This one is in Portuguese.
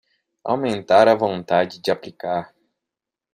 Aumentar a vontade de aplicar